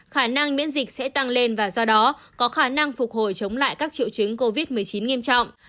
khả năng miễn dịch sẽ tăng lên và do đó có khả năng phục hồi chống lại các triệu chứng covid một mươi chín nghiêm trọng